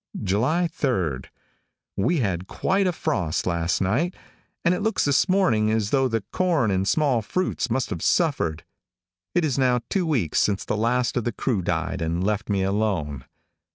July 3. We had quite a frost last night, and it looks this morning as though the corn and small fruits must have suffered. It is now two weeks since the last of the crew died and left me alone.